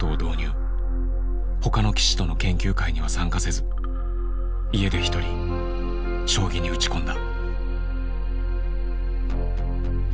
ほかの棋士との研究会には参加せず家で一人将棋に打ち込んだ。